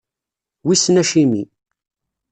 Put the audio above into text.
Wissen acimi.